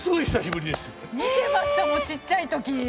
見てましたもんちっちゃい時。